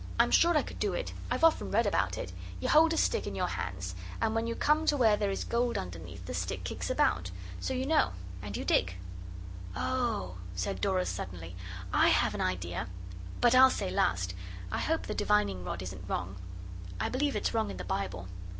I'm sure I could do it. I've often read about it. You hold a stick in your hands, and when you come to where there is gold underneath the stick kicks about. So you know. And you dig.' 'Oh,' said Dora suddenly, 'I have an idea. But I'll say last. I hope the divining rod isn't wrong. I believe it's wrong in the Bible.